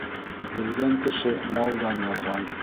Бөлгән кеше малдан яҙған.